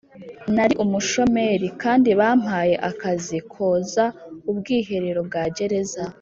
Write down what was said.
nari umushomeri, kandi bampaye akazi koza ubwiherero bwa gereza.